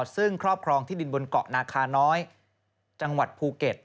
ซึ่งครอบครองที่ดินบนเกาะนาคาน้อยจังหวัดภูเก็ต